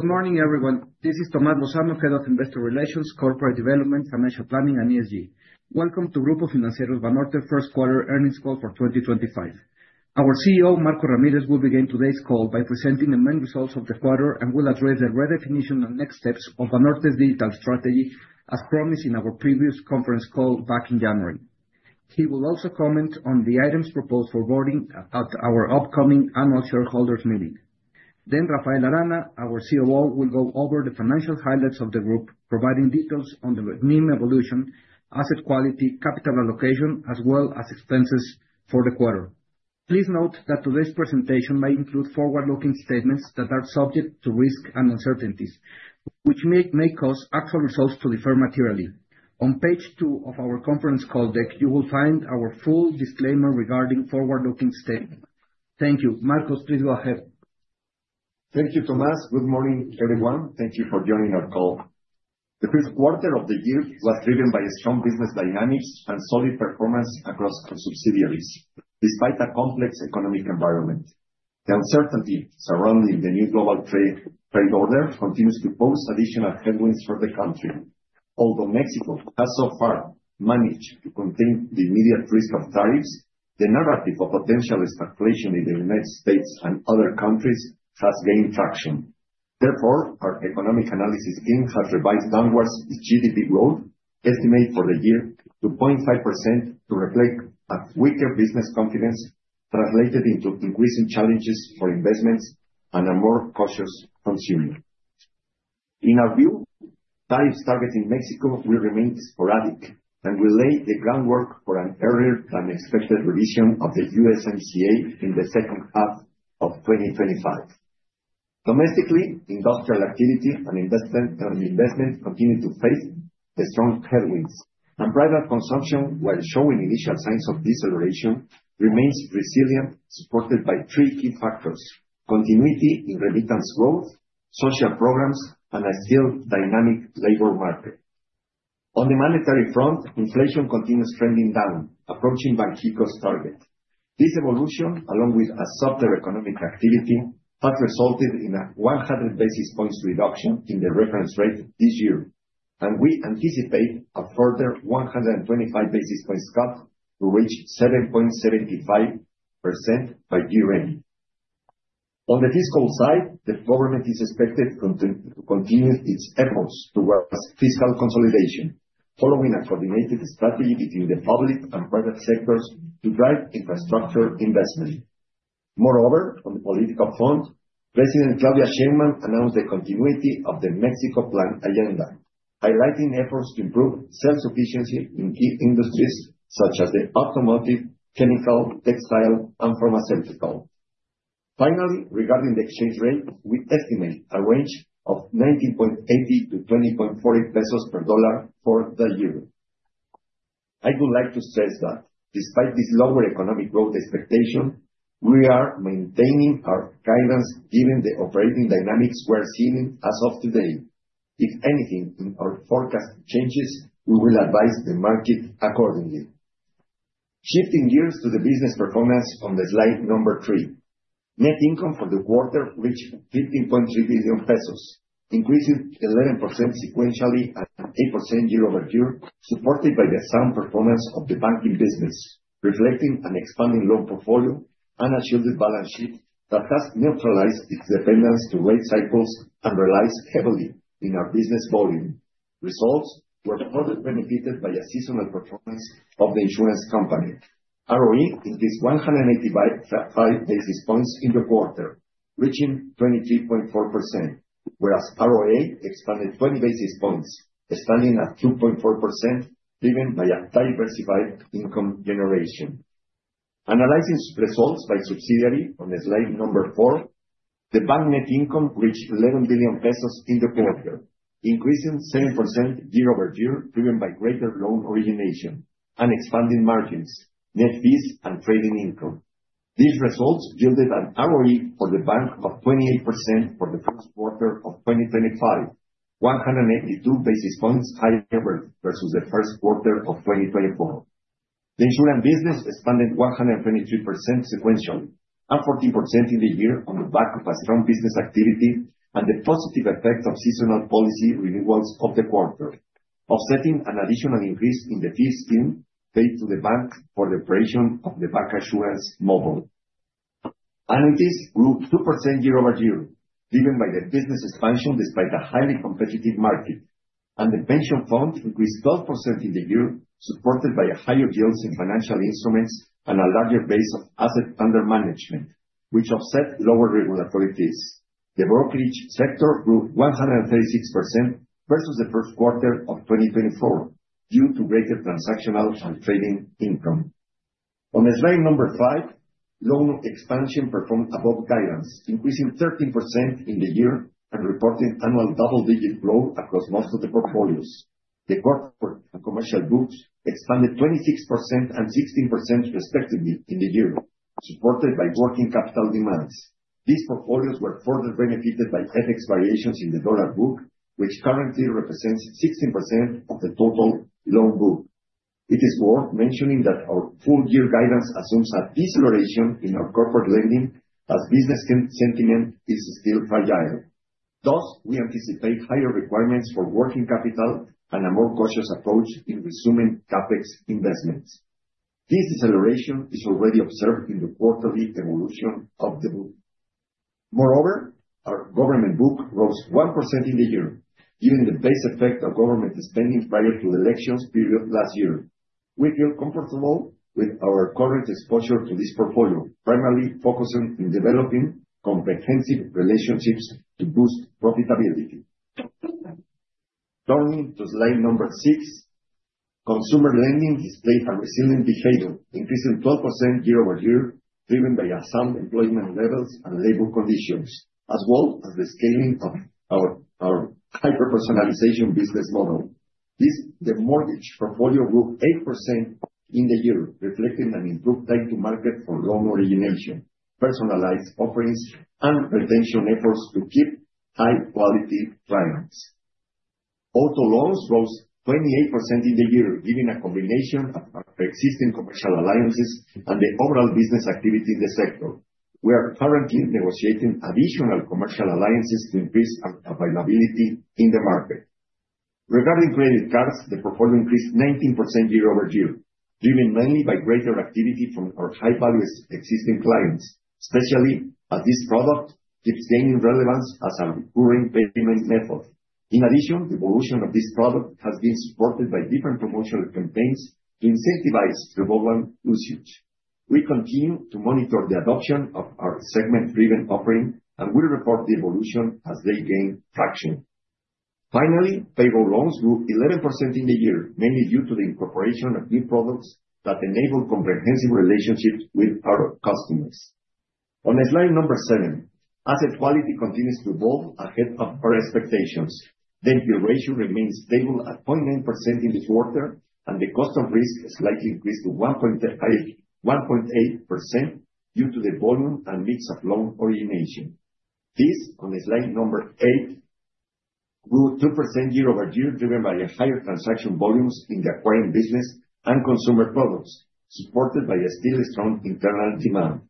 Good morning everyone. This is Tomás Lozano, Head of Investor Relations, Corporate Development, Financial Planning and ESG. Welcome to Grupo Financiero Banorte's Q1 Earnings Call for 2025. Our CEO, Marcos Ramírez will begin today's call by presenting the main results of the quarter and will address the redefinition and next steps of Banorte's digital strategy as promised in our previous conference call back in January. He will also comment on the items proposed for boarding at our upcoming annual shareholders meeting. Rafael Arana, our COO, will go over the financial highlights of the group, providing details on the NIM evolution, asset quality, capital allocation as well as expenses for the quarter. Please note that today's presentation may include forward looking statements that are subject to risks and uncertainties which may cause actual results to differ materially. On page two of our conference call deck, you will find our full disclaimer regarding forward looking statements. Thank you. Marcos, please go ahead. Thank you, Tomás. Good morning, everyone. Thank you for joining our call. The Q1 of the year was driven by strong business dynamics and solid performance across our subsidiaries despite a complex economic environment. The uncertainty surrounding the new global trade order continues to pose additional headwinds for the country. Although Mexico has so far managed to contain the immediate risk of tariffs, the narrative of potential speculation in the United States and other countries has gained traction. Therefore, our economic analysis has revised downwards its GDP growth estimate for the year to 0.5% to reflect a weaker business confidence translated into increasing challenges for investments and a more cautious consumer. In our view, tariffs targeting Mexico will remain sporadic and will lay the groundwork for an earlier than expected revision of the USMCA in the second half of 2025.Domestically, industrial activity and investment continue to face strong headwinds and private consumption, while showing initial signs of deceleration, remains resilient, supported by three key factors: continuity in remittance growth, social programs, and a still dynamic labor market. On the monetary front, inflation continues trending down, approaching Banxico's target. This evolution, along with softer economic activity, has resulted in a 100 basis points reduction in the reference rate this year and we anticipate a further 125 basis points cut to reach 7.75% by year end. On the fiscal side, the government is expected to continue its efforts towards fiscal consolidation, following a coordinated strategy between the public and private sectors to drive infrastructure investment. Moreover, on the political front, President Claudia Sheinbaum announced the continuity of the Mexico Plan agenda, highlighting efforts to improve self-sufficiency in key industries such as the automotive, chemical, textile, and pharmaceutical. Finally, regarding the exchange rate, we estimate a range of 19.80 to 20.40 per dollar for the euro. I would like to stress that despite this lower economic growth expectation, we are maintaining our guidance given the operating dynamics we are seeing as of today. If anything, our forecast changes, we will advise the market accordingly. Shifting gears to the business performance on the slide number three, net income for the quarter reached 15.3 billion pesos, increasing 11% sequentially and 8% year-over-year, supported by the sound performance of the banking business, reflecting an expanding loan portfolio and a shielded balance sheet that has neutralized its dependence to rate cycles and relies heavily in our business. Volume results were further benefited by a seasonal performance of the insurance company. ROE increased 185 basis points in the quarter, reaching 23.4% whereas ROA expanded 20 basis points, standing at 2.4% driven by a diversified income generation. Analyzing results by subsidiary on slide number four, the bank net income reached 11 billion pesos in the quarter, increasing 7% year-over-year, driven by greater loan origination and expanding margins, net fees and trading income. These results yielded an ROE for the bank of 28% for the Q1 of 2025, 182 basis points higher versus the Q1 of 2024. The insurance business expanded 123% sequentially and 14% in the year on the back of a strong business activity and the positive effects of seasonal policy renewals of the quarter, offsetting an additional increase in the fee scheme paid to the bank for the operation of the bancassurance model. Annuities grew 2% year-over-year driven by the business expansion despite the highly competitive market and the pension fund increased 12% in the year, supported by higher yields in financial instruments and a larger base of asset under management which offset lower regulatory fees. The brokerage sector grew 136% versus the Q1 of 2024 due to greater transactional and trading income. On slide number five, loan expansion performed above guidance, increasing 13% in the year and reporting annual double-digit growth across most of the portfolios. The corporate and commercial books expanded 26% and 16% respectively in the year supported by working capital demands. These portfolios were further benefited by FX variations in the dollar book, which currently represents 16% of the total loan book. It is worth mentioning that our full year guidance assumes a deceleration in our corporate lending as business sentiment is still fragile. Thus, we anticipate higher requirements for working capital and a more cautious approach in resuming CapEx investments. This deceleration is already observed in the quarterly evolution of the book. Moreover, our government book rose 1% in the year. Given the base effect of government spending prior to the elections period last year, we feel comfortable with our current exposure to this portfolio, primarily focusing in developing comprehensive relationships to boost profitability. Turning to slide number six, consumer lending displayed a resilient behavior increasing 12% year-over-year driven by sound employment levels and labor conditions as well as the scaling of our hyper personalization business model. The mortgage portfolio grew 8% in the year, reflecting an improved time to market for loan origination, personalized offerings and retention efforts to keep high quality clients. Auto loans rose 28% in the year given a combination of existing commercial alliances and the overall business activity in the sector. We are currently negotiating additional commercial alliances to increase availability in the market. Regarding credit cards, the portfolio increased 19% year-over-year, driven mainly by greater activity from our high value existing clients, especially as this product keeps gaining relevance as a recurring payment method. In addition, the evolution of this product has been supported by different promotional campaigns to incentivize revolver usage. We continue to monitor the adoption of our segment driven offering and will report the evolution as they gain traction. Finally, payroll loans grew 11% in the year mainly due to the incorporation of new products that enable comprehensive relationships with our customers. On slide number seven, asset quality continues to evolve ahead of our expectations. The NP ratio remains stable at 0.9% in the quarter and the cost of risk slightly increased to 1.8% due to the volume and mix of loan origination. This on slide number eight grew 2% year-over-year driven by higher transaction volumes in the acquiring business and consumer products supported by a still strong internal demand.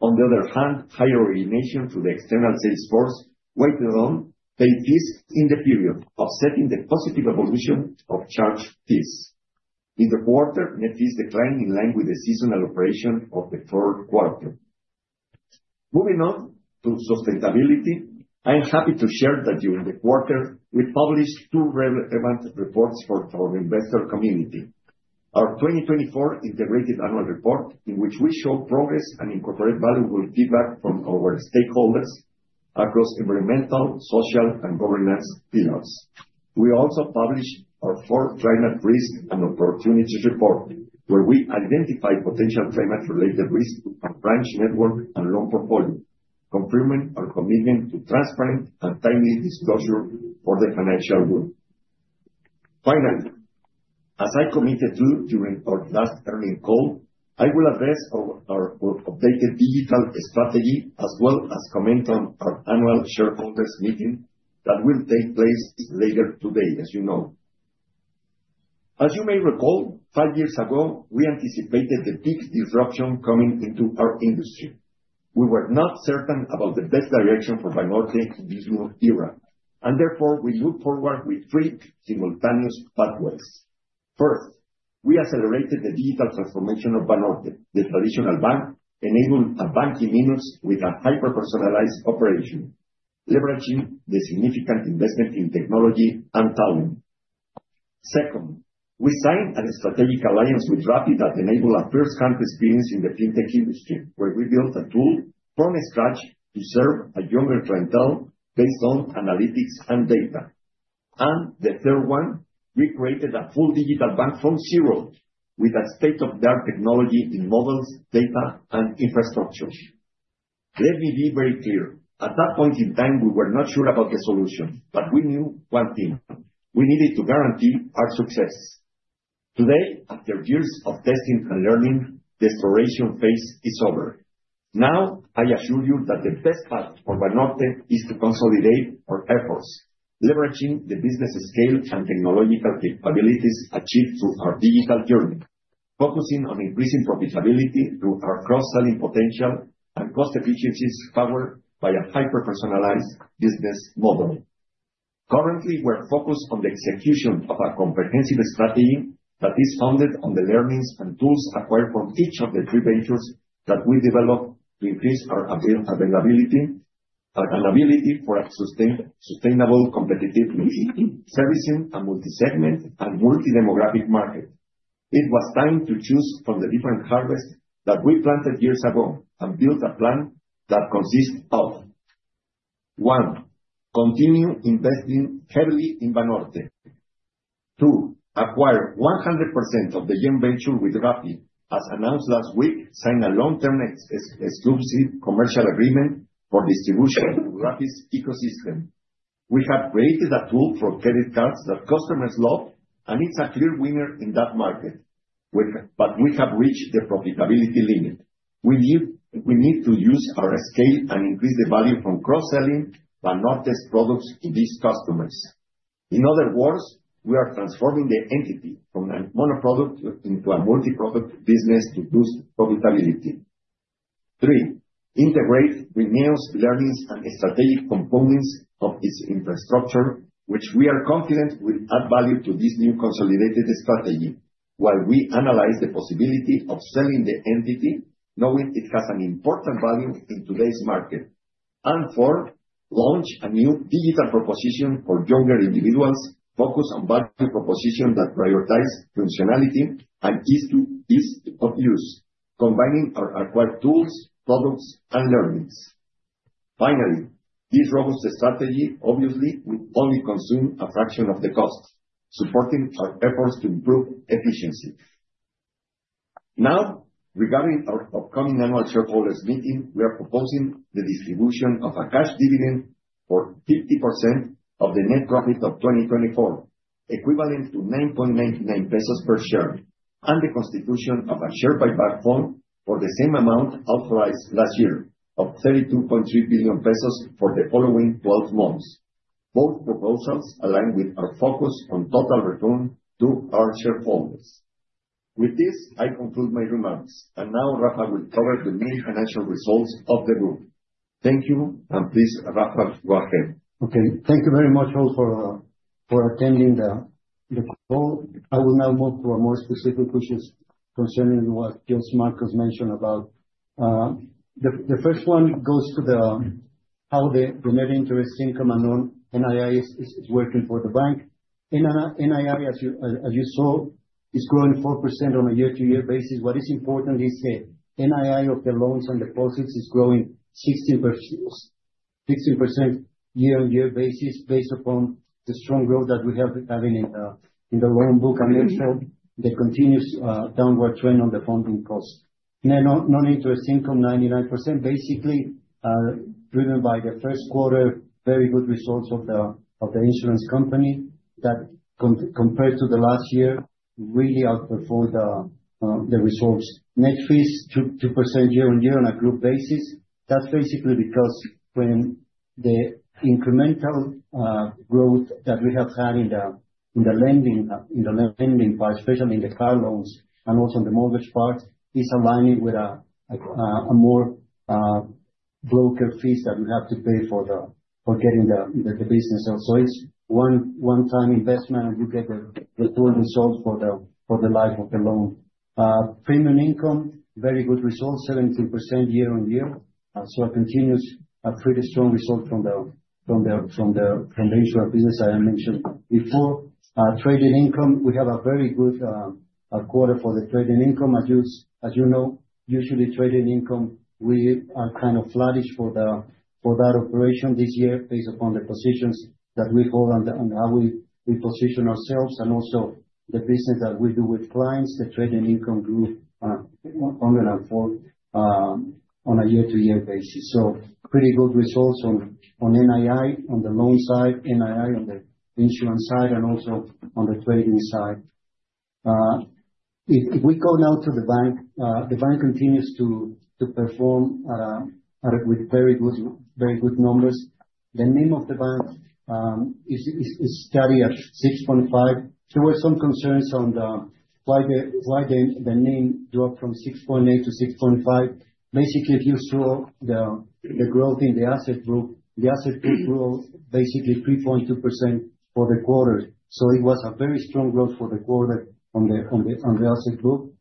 On the other hand, higher origination through the external sales force wiped out loan paid fees in the period, offsetting the positive evolution of charge fees. In the quarter, net fees declined in line with the seasonal operation of the Q4. Moving on to sustainability, I am happy to share that during the quarter we published two relevant reports for our investor community. Our 2024 Integrated Annual Report in which we show progress and incorporate valuable feedback from our stakeholders across environmental, social and governance pillars. We also published our fourth Trademark Risks and Opportunities report where we identify potential trademark-related risks and Branch Network and Loan Portfolio, confirming our commitment to transparent and timely disclosure for the financial world. Finally, as I committed to during our last earning call, I will address our updated digital strategy as well as comment on our annual shareholders meeting that will take place later today. As you know, as you may recall, five years ago we anticipated the big disruption coming into our industry. We were not certain about the best direction for Banorte this new era. And therefore we move forward with three simultaneous pathways. First, we accelerated the digital transformation of Banorte, the traditional bank, enabled a bank in minutes with a hyper-personalized operation leveraging the significant investment in technology and talent. Second, we signed a strategic alliance with Rappi that enable a firsthand experience in the fintech industry where we built a tool from scratch to serve a younger clientele based on analytics and data. And the third one, we created a full digital bank from zero with a state-of-the-art technology in models, data and infrastructures. Let me be very clear. At that point in time we were not sure about the solution, but we knew one thing, we needed to guarantee our success. Today, after years of testing and learning, the exploration phase is over. Now I assure you that the best task for Banorte is to consolidate our efforts leveraging the business scale and technological capabilities achieved through our digital journey. Focusing on increasing profitability through our cross-selling potential and cost efficiencies powered by a hyper-personalized business model. Currently we're focused on the execution of a comprehensive strategy that is founded on the learnings and tools acquired from each of the three ventures that we develop to increase our availability for sustainable competitiveness servicing a multi-segment and multi-demographic market. It was time to choose from the different harvests that we planted years ago and build a plan that consists, one, continue investing heavily in Banorte. Two, acquire 100% of the Bineo venture with Rappi as announced last week, signed a long-term exclusive commercial agreement for distribution of Rappi's ecosystem. We have created a tool for credit cards that customers love and it is a clear winner in that market. We have reached the profitability limit. We need to use our scale and increase the value from cross selling but not test products to these customers. In other words, we are transforming the entity from a mono-product into a multi-product business to boost profitability. Three, integrate Bineo's learnings and strategic components of its infrastructure which we are confident will add value to this new consolidated strategy while we analyze the possibility of selling the entity knowing it has an important value in today's market. And four, launch a new digital proposition for younger individuals. Focus on value propositions that prioritize functionality and ease of use, combining our acquired tools, products, and learnings. Finally, this robust strategy obviously will only consume a fraction of the cost, supporting our efforts to improve efficiency. Now regarding our upcoming Annual Shareholders' Meeting, we are proposing the distribution of a cash dividend for 50% of the net profit of 2024 equivalent to 9.99 pesos per share and the constitution of a share buyback flow for the same amount authorized last year of 32.3 billion pesos for the following 12 months. Both proposals align with our focus on total return to our shareholders. With this I conclude my remarks. And now Rafa will cover the main financial results of the group. Thank you. Please. Rafa, go ahead. Okay. Thank you very much all for attending the call. I will now move to a more specific question concerning what Marcos mentioned about the first one goes to how the net interest income and on NII is working for the bank. NII as you saw is growing 4% on a year-to-year basis. What is important is the NII of the loans and deposits is growing 16% 16% year-on-year basis. Based upon the strong growth that we have in the loan book and show the continuous downward trend on the funding cost net non-interest income 99% basically driven by the Q1. Very good results of the insurance company that compared to the last year really outperformed the resource net fees 2% year-on-year on a group basis. That's basically because when the incremental growth that we have had in the lending, in the lending part, especially in the car loans and also in the mortgage part is aligning with more broker fees that we have to pay for getting the business. It is one time investment. You get the good results for the life of the loan premium income. Very good results, 17% year-on-year. It continues a pretty strong result from the insurance business. I mentioned before trading income. We have a very good quarter for the trading income. As you know, usually trading income, we are kind of flattish for that operation this year based upon the positions that we hold on how we position ourselves and also the business that we do with clients. The trading income grew 140% on a year-to-year basis. Pretty good results on NII on the loan side. NII on the insurance side and also on the trading side. If we go now to the bank, the bank continues to perform with very good, very good numbers. The NIM of the bank is steady at 6.5%. There were some concerns on why the NIM dropped from 6.8% to 6.5%. Basically, if you saw the growth in the asset group. The asset group basically 3.2% for the quarter. It was a very strong growth for the quarter on the asset group.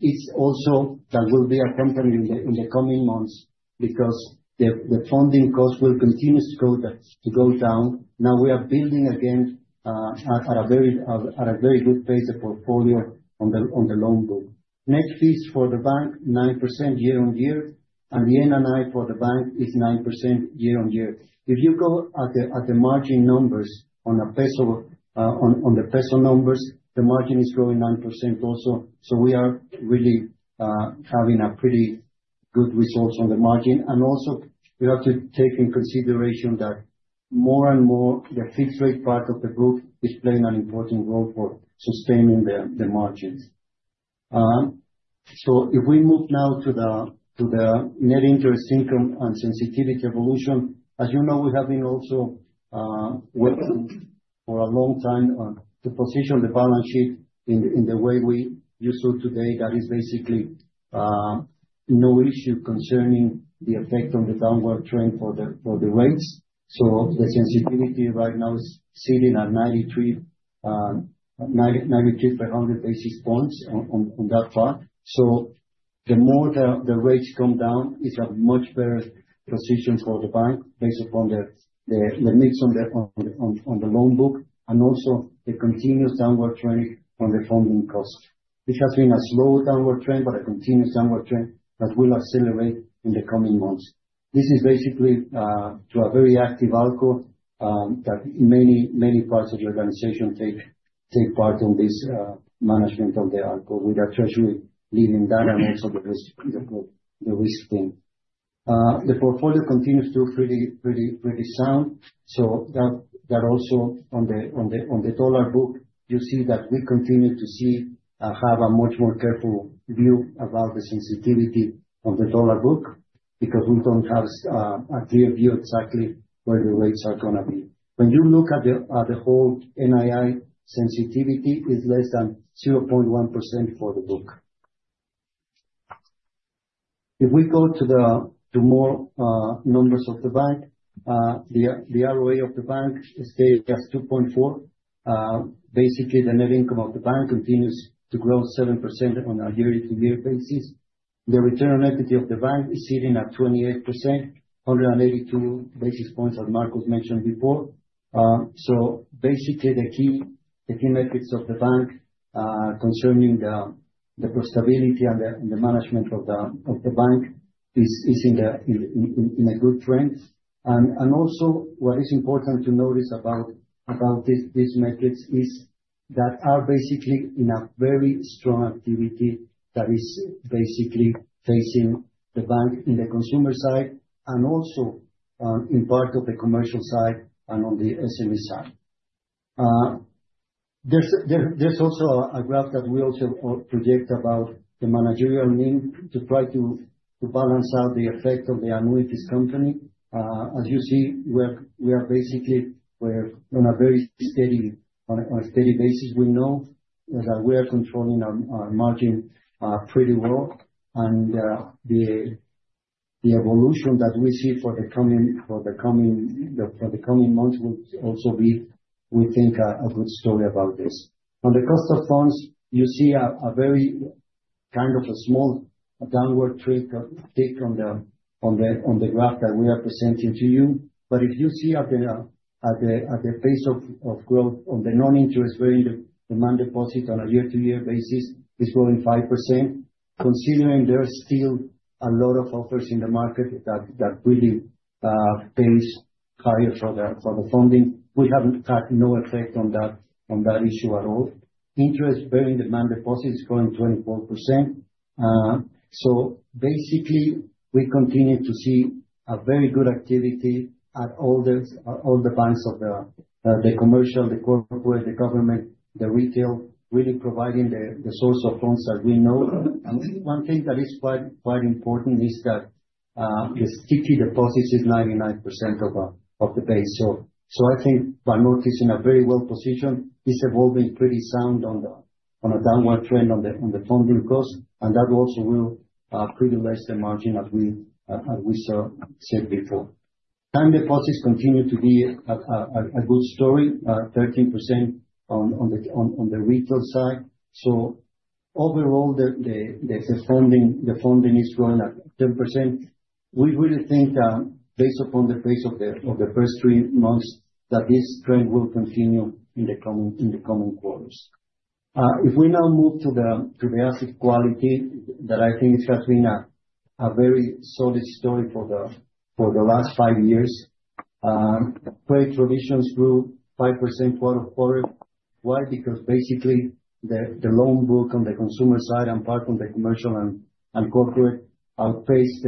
It's also that will be a company in the coming months because the funding cost will continue to go down. Now we are building again at a very good pace of portfolio on the loan book. Net fees for the bank 9% year-on-year. The NII for the bank is 9% year-on-year. If you go at the margin numbers on a peso, on the peso numbers the margin is growing 9% also. We are really having pretty good results on the margin. You have to take in consideration that more and more the fixed rate part of the book is playing an important role for sustaining the margins. If we move now to the net interest income and sensitivity evolution. As you know, we have been also working for a long time to position the balance sheet in the way we used to. Today that is basically no issue concerning the effect on the downward trend for the rates. The sensitivity right now is sitting at 93 per 100 basis points on that part. The more the rates come down, it's a much better position for the bank based upon the mix on the loan book and also the continuous downward trend on the funding cost, which has been a slow downward trend but a continuous downward trend that will accelerate in the coming months. This is basically due to a very active ALCO that many, many parts of the organization take part in, this management of the ALCO. We are treasury leading that and also the risk team. The portfolio continues to be pretty sound. That also, on the dollar book, you see that we continue to have a much more careful view about the sensitivity of the dollar book because we don't have a clear view exactly where the rates are going to be. When you look at the whole NII sensitivity, it is less than 0.1% for the book. If we go to the more numbers of the bank, the ROA of the bank stays at 2.4. Basically, the net income of the bank continues to grow 7% on a year-to-year basis. The return on equity of the bank is sitting at 28%, 182 basis points as Marcos mentioned before. Basically, the key metrics of the bank concerning the profitability and the management of the bank is in a good trend. Also, what is important to notice about these metrics is that are basically in a very strong activity that is basically facing the bank in the consumer side and also in part of the commercial side. On the SME side there's also a graph that we also project about the managerial link to try to balance out the effect of the annuities company. As you see, we are basically on a very steady, on a steady basis. We know that we are controlling our margin pretty well. The evolution that we see for the coming months will also be, we think, a good story about this. On the cost of funds, you see a very kind of a small, a downward tick on the graph that we are presenting to you. If you see at the pace of growth on the non-interest-bearing demand deposit on a year-to-year basis, it is growing 5%. Considering there are still a lot of offers in the market that really pay higher for the funding, we have not had no effect on that issue at all. Interest-bearing demand deposits growing 24%. We continue to see a very good activity at all the banks of the commercial, the corporate, the government, the retail really providing the source of loans that we know. One thing that is quite important is that the CETES deposits is 99% of the base. I think Banorte is in a very well positioned. It's evolving pretty sound on a downward trend on the funding cost and that also will pretty less the margin as we said before. Time deposits continue to be a good story, 13% on the retail side. So overall, the funding is growing at 10%. We really think based upon the pace of the first three months that this trend will continue in the coming quarters. If we now move to the asset quality that I think has been a very solid story for the last five years. Credit provisions grew 5% quarter-to-quarter. Why? Because basically the loan book on the consumer side and part from the commercial and corporate outpace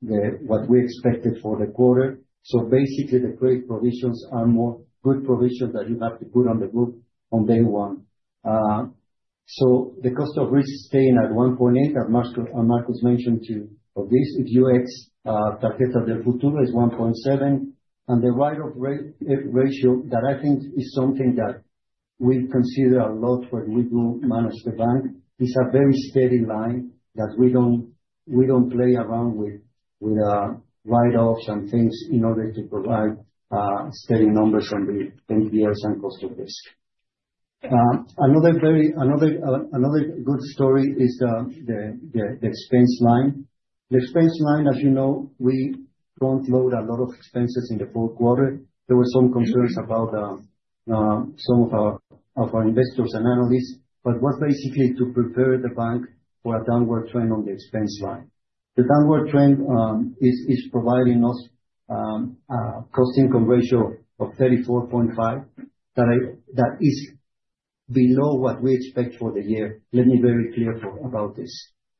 what we expected for the quarter. Basically, the credit provisions are more good provisions that you have to put on the book on day one. The cost of risk staying at 1.8% Marcos mentioned too of this if you excluding Tarjetas del Futuro is 1.7%. And the write-off ratio that I think is something that we consider a lot when we do manage the bank is a very steady line that we do not. We do not play around with write-offs and things in order to provide steady numbers on the NPLs and cost of risk. Another very— Another good story is the expense line. The expense line as you know we front load a lot of expenses in the Q4. There were some concerns about some of our investors and analysts but was basically to prepare the bank for a downward trend on the expense line. The downward trend is providing us cost income ratio of 34.5%. That is below what we expect for the year. Let me be very clear about this.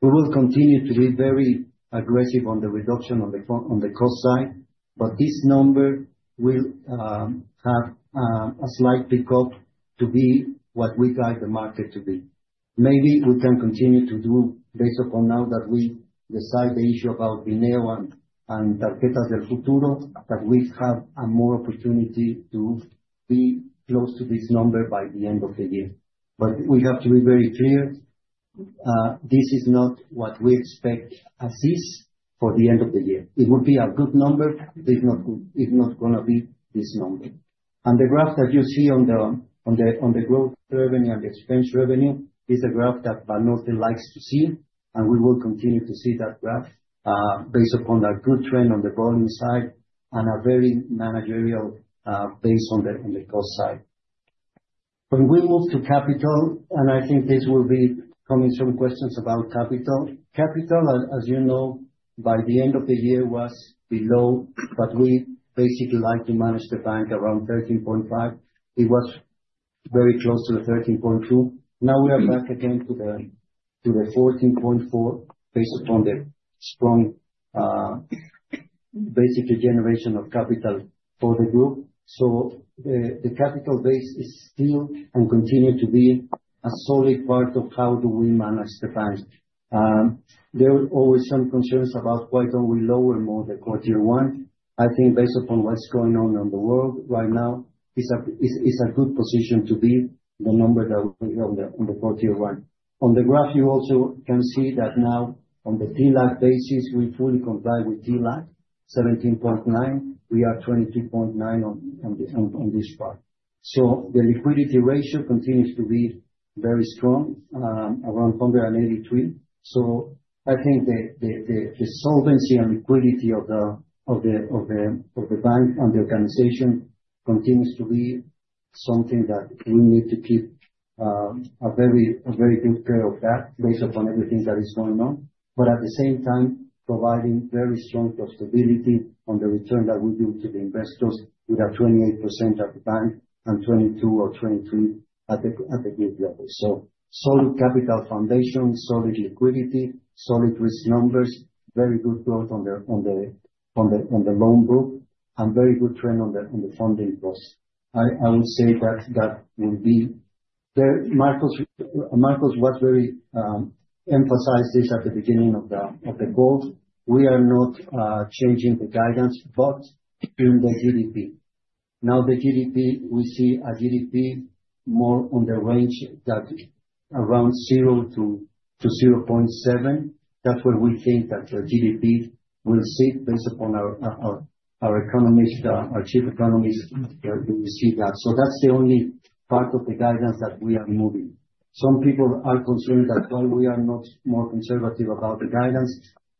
We will continue to be very aggressive on the reduction on the cost side. This number will have a slight pickup to be what we drive the market to be. Maybe we can continue to do based upon now that we decide the issue about Bineo and Tarjetas del Futuro that we have more opportunity to be close to this number by the end of the year. We have to be very clear, this is not what we expect as is for the end of the year. It would be a good number if not going to be this number. The graph that you see on the growth revenue and the expense revenue is a graph that Banorte likes to see and we will continue to see that graph based upon that good trend on the volume side and a very managerial base on the cost side. When we move to capital, I think this will be in some questions about capital. Capital, as you know, by the end of the year was below but we basically like to manage the bank around 13.5%. It was very close to the 13.2%. Now we are back again to the 14.4% based upon the strong basic generation of capital for the group. So, the capital base is still and continue to be a solid part of how do we manage the bank. There were always some concerns about why don't we lower more than Q1. I think based upon what is going on in the world right now, it is a good position to be the number that we have on the quarter one on the graph. You also can see that now on the TLAC basis we fully comply with TLAC, 17.9%, we are 23.9% on this part. The liquidity ratio continues to be very strong around 183%. I think the solvency and liquidity of the bank and the organization continues to be something that we need to keep a very, very good care of based upon everything that is going on. But at the same time, providing very strong flexibility on the return that we do to the investors. We are 28% at the bank and 22% or 23% at the group level. Solid capital foundation, solid liquidity, solid risk numbers, very good growth on the loan book and very good trend on the funding cost. I would say that will be there. Marcos was very emphasized this at the beginning of the goals. We are not changing the guidance, but in the GDP. Now, the GDP we see a GDP more on the range that around 0% to 0.7%. That's where we think that GDP will sit based upon our economist, our Chief Economist, see that. That's the only part of the guidance that we are moving. Some people are concerned that while we are not more conservative about the guidance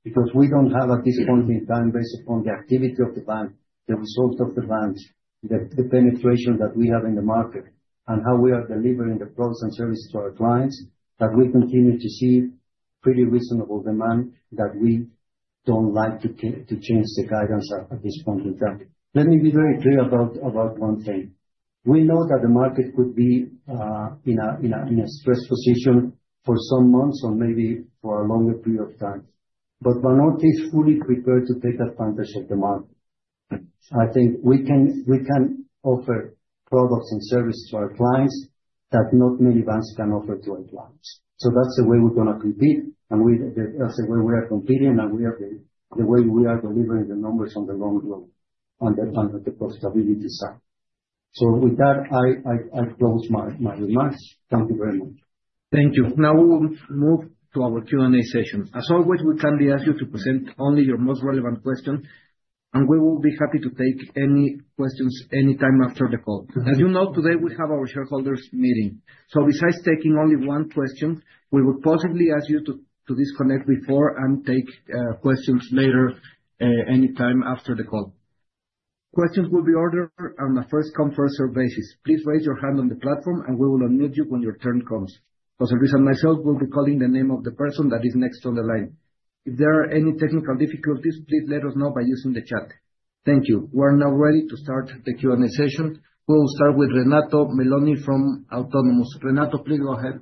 because we don't have at this point in time, based upon the activity of the bank, the result of the banks, the penetration that we have in the market and how we are delivering the products and services to our clients, that we continue to see pretty reasonable demand, that we don't like to change the guidance at this point in time. Let me be very clear about one thing. We know that the market could be in a stress position for some months or maybe for a longer period of time. Banorte is fully prepared to take advantage of the market. I think we can offer products and services to our clients that not many banks can offer to our clients. That is the way we are going to compete, and that is the way we are competing and the way we are delivering the numbers on the long run on the profitability side. With that, I close my remarks. Thank you very much. Thank you. Now we will move to our Q&A session. As always, we kindly ask you to present only your most relevant question and we will be happy to take any questions anytime after the call. As you know, today we have our shareholders meeting. Besides taking only one question, we would possibly ask you to disconnect before and take questions later anytime after the call. Questions will be ordered on a first-come, first-served basis. Please raise your hand on the platform and we will unmute you when your turn comes. As a result, I will be calling the name of the person that is next on the line. If there are any technical difficulties, please let us know by using the chat. Thank you. We're now ready to start the Q and A session. We'll start with Renato Meloni from Autonomous. Renato, please go ahead.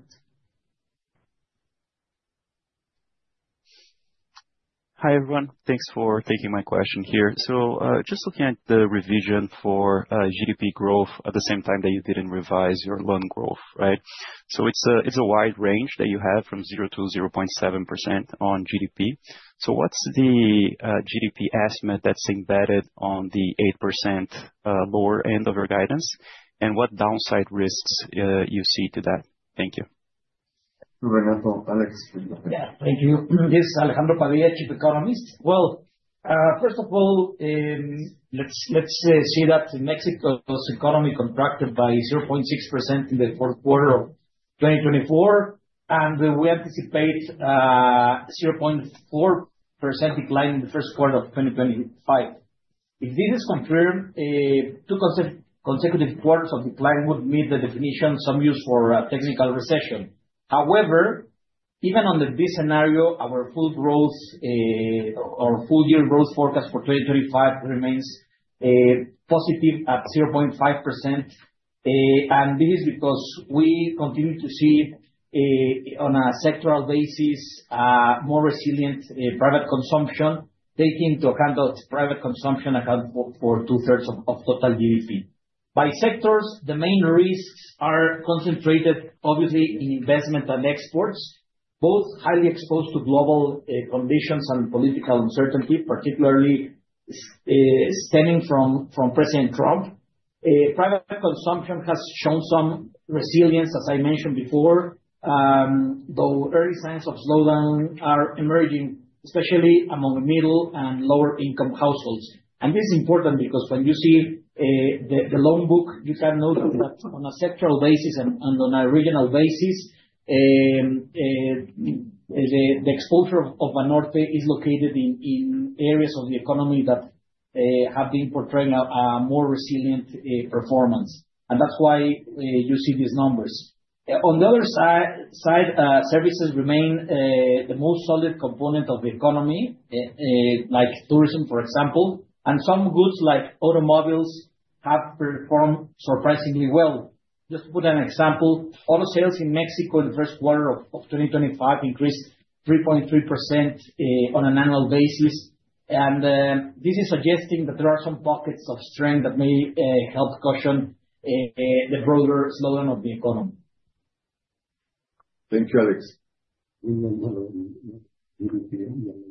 Hi everyone. Thanks for taking my question here. Just looking at the revision for GDP growth at the same time that. You did not revise your loan growth, right? It is a wide range that you have from 0% to 0.7% on GDP. What is the GDP estimate that is embedded on the 8% lower end of your guidance and what downside risks do you see to that? Thank you. Thank you. This is Alejandro Padilla, Chief Economist. First of all, let's see that Mexico's economy contracted by 0.6% in the Q4 of 2024, and we anticipate a 0.4% decline in the Q1 of 2025. If this is confirmed, two consecutive quarters of decline would meet the definition some use for technical recession. However, even under this scenario, our full year growth forecast for 2025 remains positive at 0.5%. This is because we continue to see, on a sectoral basis, more resilient private consumption. Taking into account, private consumption accounts for two thirds of total GDP by sectors. The main risks are concentrated obviously in investment and exports, both highly exposed to global conditions and political uncertainty, particularly stemming from President Trump. Private consumption has shown some resilience. As I mentioned before, though, early signs of slowdown are emerging, especially among middle and lower income households. This is important because when you see the loan book, you can note that on a sectoral basis and on a regional basis, the exposure of Banorte is located in areas of the economy that have been portraying a more resilient performance. That is why you see these numbers on the other side. Services remain the most solid component of the economy, like tourism, for example, and some goods like automobiles have performed surprisingly well. Just to put an example, auto sales in Mexico in the Q1 of 2025 increased 3.3% on an annual basis. This is suggesting that there are some pockets of strength that may help cushion the broader slowdown of the economy. Thank you, Alex.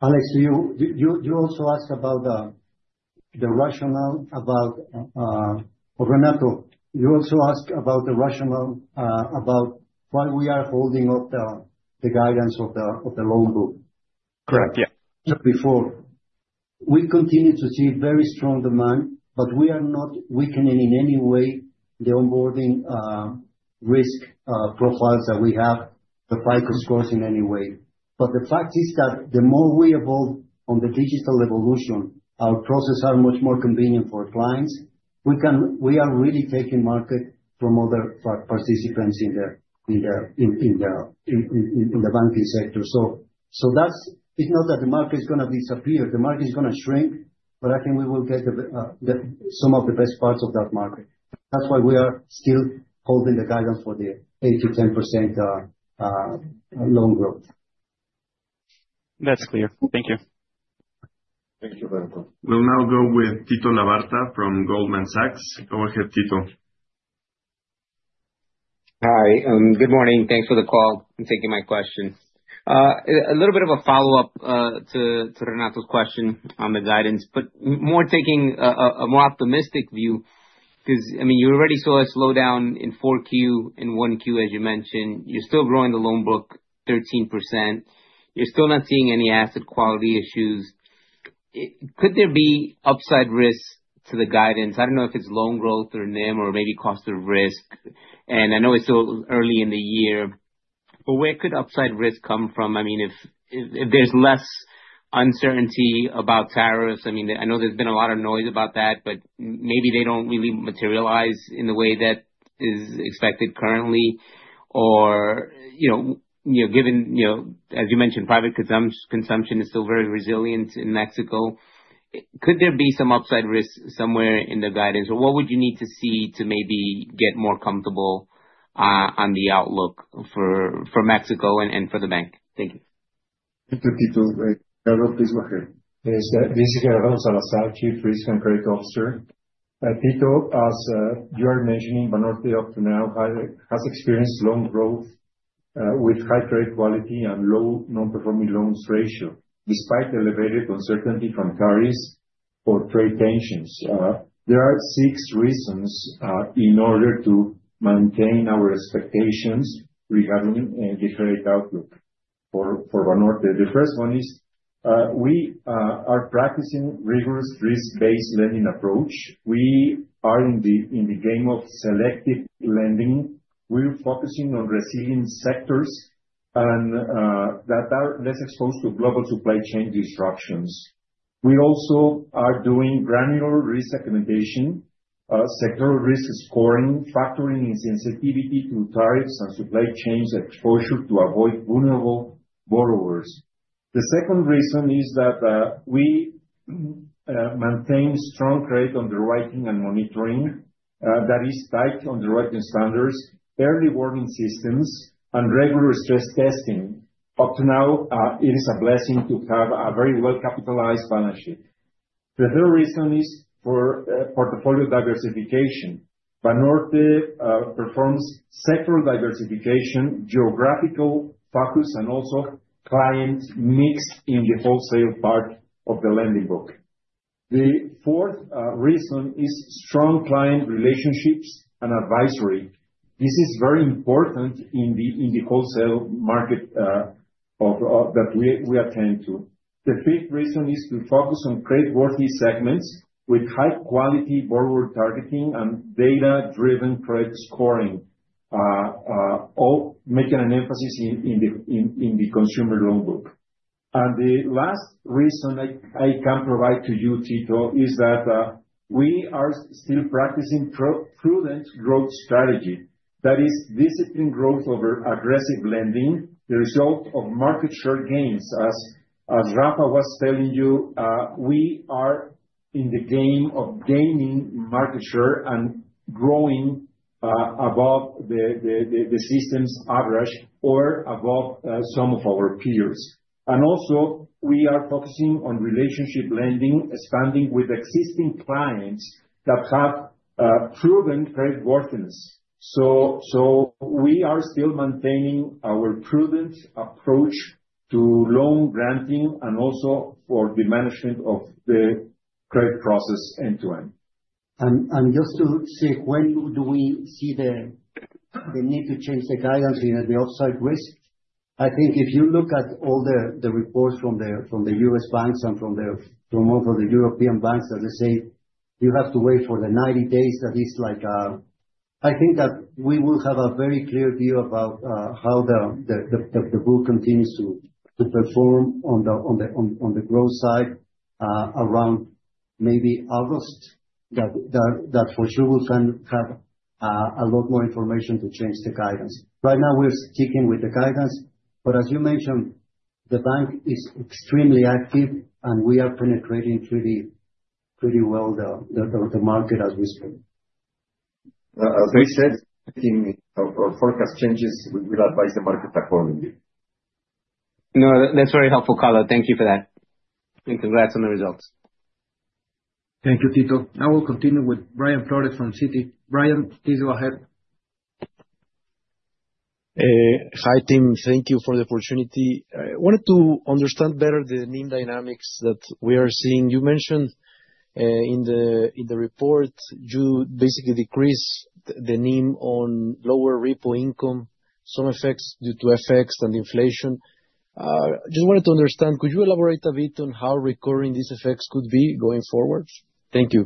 Alex, you also asked about the rationale about— or Renato, you also asked about the rationale about why we are holding up the guidance of the loan book, correct? Yeah. Before we continue to see very strong demand. We are not weakening in any way the onboarding risk profiles that we have, the FICO's growth in any way. The fact is that the more we evolve on the digital evolution, our process are much more convenient for clients. We are really taking market from other participants in the banking sector. It is not that the market is going to disappear, the market is going to shrink, but I think we will get some of the best parts of that market. That is why we are still holding the guidance for the 8% to 10% loan growth. That's clear. Thank you. Thank you. We'll now go with Tito Labarta from Goldman Sachs. Go ahead, Tito. Hi, good morning. Thanks for the call and for taking my questions. A little bit of a follow up to Renato's question on the guidance, but more taking a more optimistic view because I mean, you already saw a slowdown in Q4 and Q1. As you mentioned, you're still growing the loan book 13%. You're still not seeing any asset quality issues. Could there be upside risk to the guidance? I don't know if it's loan growth or NIM or maybe cost of risk. I know it's still early in the year, but where could upside risk come from? I mean, if there's less uncertainty about tariffs, I know there's been a lot of noise about that, but maybe they don't really materialize in the way that is expected currently or, you know, given, you know, as you mentioned, private consumption is still very resilient in Mexico. Could there be some upside risk somewhere in the guidance? What would you need to see to maybe get more comfortable on the outlook for Mexico and for the bank? Thank you. Thank you, Tito. Gerardo, please go ahead. This is Gerardo Salazar, Chief Credit and Risk Officer, Tito, as you are mentioning, Banorte up to now has experienced strong growth with high credit rate quality and low non-performing loans ratio despite elevated uncertainty from carries for trade tensions. There are six reasons in order to maintain our expectations regarding the trade outlook for Banorte. The first one is we are practicing rigorous risk-based lending approach. We are in the game of selective lending. We're focusing on resilience sectors that are less exposed to global supply chain disruptions. We also are doing granular resegmentation, sectoral risk scoring, factoring in sensitivity to tariffs and supply chains exposure to avoid vulnerable borrowers. The second reason is that we maintain strong credit underwriting and monitoring, that is tied underwriting standards, early warning systems, and regular stress testing. Up to now, it is a blessing to have a very well capitalized balance sheet. The third reason is for portfolio diversification. Banorte performs sectoral diversification, geographical focus, and also clients mixed in the wholesale part of the lending book. The fourth reason is strong client relationships and advisory. This is very important in the wholesale market that we attend to. The fifth reason is to focus on credit-worthy segments with high-quality borrower targeting and data-driven credit scoring, all making an emphasis in the consumer loan book. The last reason I can provide to you, Tito, is that we are still practicing a prudent growth strategy that is disciplined growth over aggressive lending, the result of market share gains. As Rafa was telling you, we are in the game of gaining market share and growing above the system's average or above some of our peers. And also, we are focusing on relationship lending, expanding with existing clients that have proven creditworthiness. We are still maintaining our prudent approach to loan granting and also for the management of the credit process end-to-end. Just to say, when do we see the need to change the guidance in the offside risk? I think if you look at all the reports from the U.S. banks and from the European banks that they say you have to wait for the 90 days, that is like. I think that we will have a very clear view about how the bull continues to perform on the growth side around maybe August. That for sure will have a lot more information to change the guidance. Right now we're sticking with the guidance, but as you mentioned, the bank is extremely active and we are penetrating pretty well the market as we speak. As I said, in our forecast changes, we will advise the market accordingly. No, that's very helpful color. Thank you for that and congrats on the results. Thank you, Tito. Now we'll continue with Brian Flores from Citi. Brian, please go ahead. Hi Tom. Thank you for the opportunity. I wanted to understand better the NIM dynamics that we are seeing. You mentioned in the report. You basically decrease the NIM on lower repo income, some effects due to FX and inflation. Just wanted to understand. Could you elaborate a bit on how recurring these effects could be going forward? Thank you.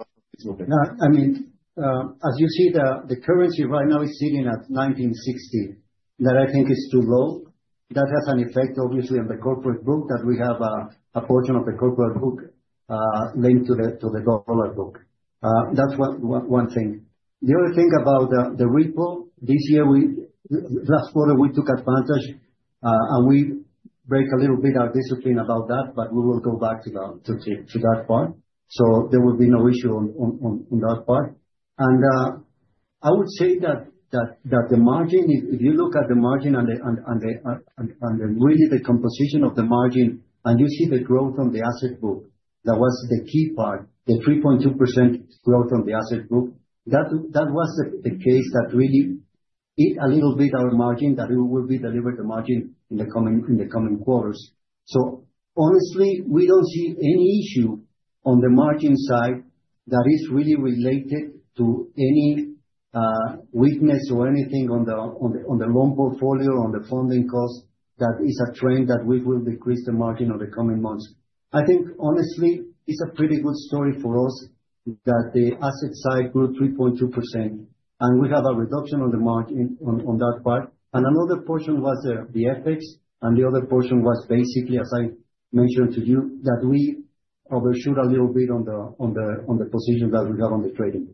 I mean as you see, the currency right now is sitting at 19.60. That I think is too low. That has an effect obviously on the corporate book. We have a portion of the corporate book linked to the dollar book. That is one thing. The other thing about the repo this year, last quarter we took advantage and we broke a little bit our discipline about that. We will go back to that part. There will be no issue on that part. I would say that the margin, if you look at the margin and really the composition of the margin and you see the growth on the asset book, that was the key part, the 3.2% growth from the asset book, that was the case that really hit a little bit our margin that will be delivered the margin in the coming quarters. Honestly we do not see any issue on the margin side that is really related to any weakness or anything on the loan portfolio on the funding costs. That is a trend that we will decrease the margin of the coming months. I think honestly it is a pretty good story for us that the asset side grew 3.2% and we have a reduction on the margin on that part. Another portion was the FX and the other portion was basically as I mentioned to you, that we overshoot a little bit on the position that we have on the trading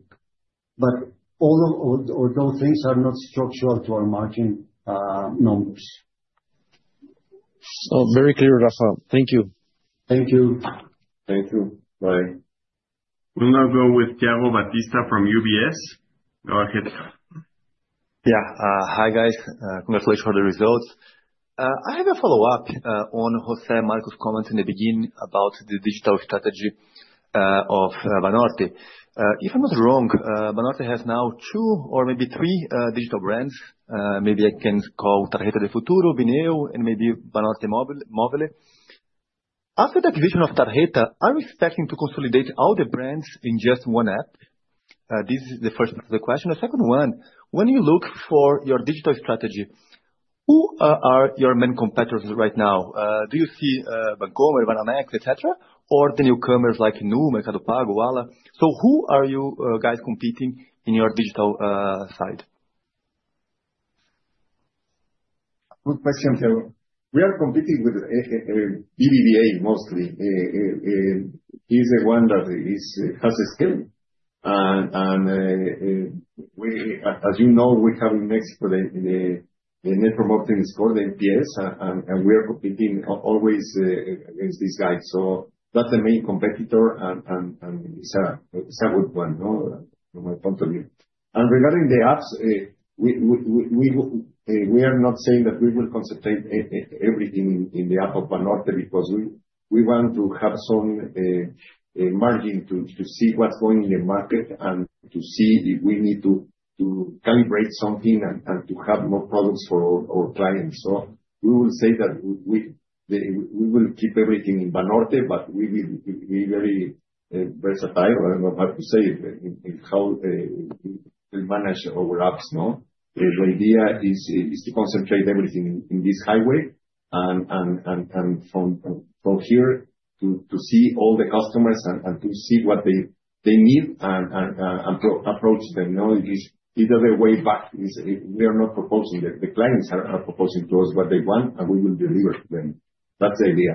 book. Those things are not structural to our margin numbers. Oh, very clear, Rafa. Thank you. Thank you. Thank you. Bye. We'll now go with Thiago Batista from UBS. Go ahead. Yeah. Hi guys. Congratulations for the results. I have a follow up on José Marcos' comments in the beginning about the digital strategy of Banorte. If I'm not wrong, Banorte has now two or maybe three digital brands. Maybe I can call Tarjetas del Futuro, Bineo and maybe Banorte Móvil. After the division of Tarjeta, are you expecting to consolidate all the brands in just one app? This is the first question. The second one, when you look for your digital strategy, who are your main competitors right now? Do you see Bancomer, Banamex, et cetera, or the newcomers like Nubank, Mercado Pago, Ualá? Who are you guys competing in your digital side? Good question. We are competing with BBVA mostly. He's the one that has a skill and as you know, we have in Mexico, the network marketing score, the NPS, and we are competing always against these guys. That's the main competitor and it's a good one from my point of view. Regarding the apps, we are not saying that we will concentrate everything in the app of Banorte because we want to have some margin to see what's going in the market and to see if we need to calibrate something and to have more products for our clients. We will say that we will keep everything in Banorte, but we will be very versatile. I don't know how to say it, how we manage our apps. The idea is to concentrate everything in this highway and from here to see all the customers and to see what they need and approach them either the way back. We are not proposing. The clients are proposing to us what they want and we will deliver to them. That's the idea.